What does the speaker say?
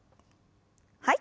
はい。